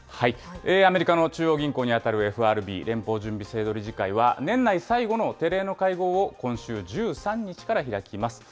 アメリカの中央銀行に当たるＦＲＢ・連邦準備制度理事会は、年内最後の定例の会合を、今週１３日から開きます。